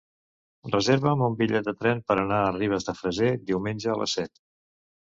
Reserva'm un bitllet de tren per anar a Ribes de Freser diumenge a les set.